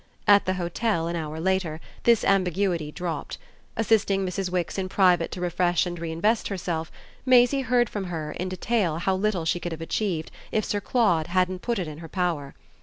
At the hotel, an hour later, this ambiguity dropped: assisting Mrs. Wix in private to refresh and reinvest herself, Maisie heard from her in detail how little she could have achieved if Sir Claude hadn't put it in her power.